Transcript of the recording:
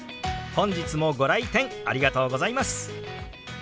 本日もご来店ありがとうございます。